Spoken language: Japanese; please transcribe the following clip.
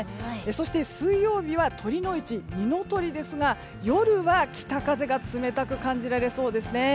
そして水曜日は酉の市、二の酉ですが夜は北風が冷たく感じられそうですね。